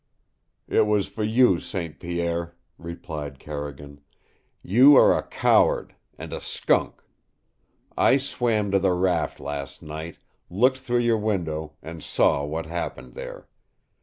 "It was for you, St. Pierre," replied Carrigan, "You are a coward and a skunk. I swam to the raft last night, looked through your window, and saw what happened there.